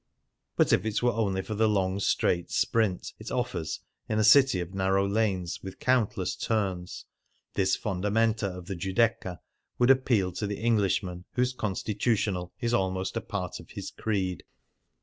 But if it were only for the long straight " sprint "' it offers in a city of narrow lanes with countless turns, this /bndamenta of the Giudecca would appeal to the Englishman whose " constitu tional " is almost a part of his creed.